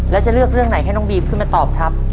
แล้วจะเลือกเรื่องไหนให้น้องบีมขึ้นมาตอบครับ